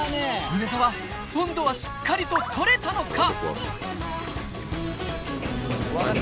梅澤今度はしっかりと撮れたのか？